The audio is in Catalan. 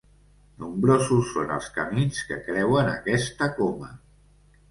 Nombrosos són els camins que creuen aquesta coma.